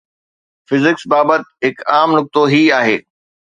physics بابت هڪ عام نقطو هي آهي